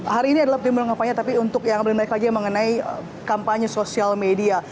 hari ini adalah tim kampanye tapi untuk yang lebih baik lagi mengenai kampanye sosial media